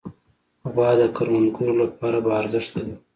غوا د کروندګرو لپاره باارزښته ده.